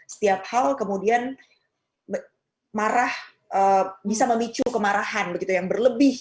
setiap hal kemudian marah bisa memicu kemarahan begitu yang berlebih